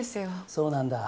そうなんだ。